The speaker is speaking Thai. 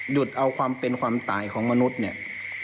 หยุดเอาความเป็นความตายของมนุษย์เนี่ย